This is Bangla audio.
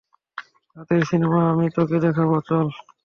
রাতের সিনেমা আমি তোকে দেখাবো, চল।